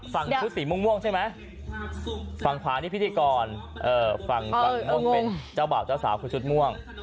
ชุดสีม่วงใช่ไหมฝั่งขวานี่พิธีกรฝั่งม่วงเป็นเจ้าบ่าวเจ้าสาวคือชุดม่วง